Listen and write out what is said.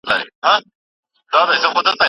ایا واړه پلورونکي شین ممیز صادروي؟